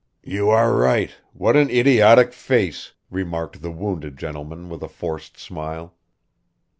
"You are right ... what an idiotic face!" remarked the wounded gentleman with a forced smile.